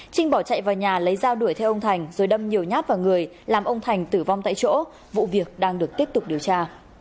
trinh bỏ chạy vào nhà lấy dao đuổi theo ông thành rồi đâm nhiều nhát vào người làm ông thành tử vong tại chỗ vụ việc đang được tiếp tục điều tra